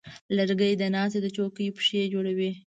لرګی د ناستې د چوکۍ پښې جوړوي.